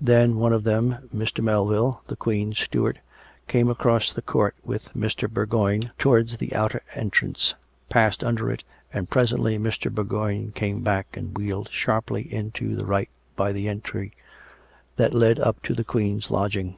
Then one of them, Mr. Melville, the Queen's stew ard, came across the court with Mr. Bourgoign towards the outer entrance, passed under it, and presently Mr. Bourgoign came back and wheeled sharply in to the right by the entry that led up to the Queen's lodging.